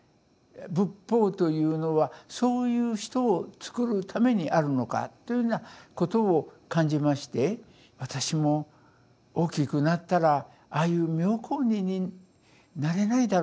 仏法というのはそういう人をつくるためにあるのか」というようなことを感じまして私も大きくなったらああいう妙好人になれないだろうか。